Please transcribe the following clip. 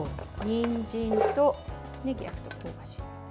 にんじんとねぎ焼くと香ばしいので。